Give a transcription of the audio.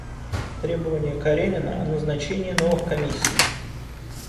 Требования Каренина о назначении новых комиссий.